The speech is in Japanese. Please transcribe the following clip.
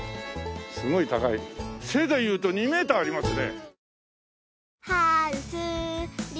すごい高い背でいうと２メーターありますね。